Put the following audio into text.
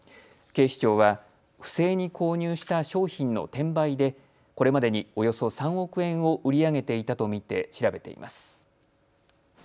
警視庁は不正に購入した商品の転売でこれまでにおよそ３億円を売り上げていたと見て調べています。